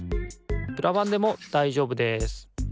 プラバンでもだいじょうぶです。